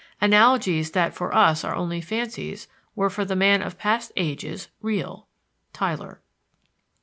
"Analogies that for us are only fancies were for the man of past ages real" (Tylor).